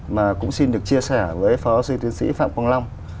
mà cũng xin được chia sẻ với phó sư tiến sĩ phạm quang long